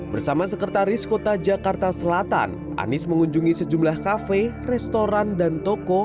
bersama sekretaris kota jakarta selatan anies mengunjungi sejumlah kafe restoran dan toko